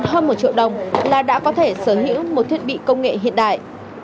chỉ từ năm trăm linh đến hơn một triệu đồng là đã có thể sở hữu một thiết bị công nghệ hiện đại